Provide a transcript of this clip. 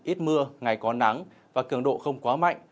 ít mưa ngày có nắng và cường độ không quá mạnh